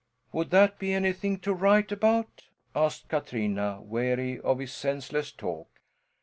"Would that be anything to write about?" asked Katrina, weary of this senseless talk.